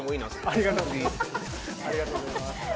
ありがとうございます。